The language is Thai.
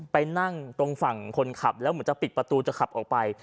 ไปนั่งตรงฝั่งคนขับแล้วเหมือนจะปิดประตูจะขับออกไป